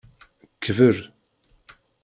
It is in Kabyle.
Kber.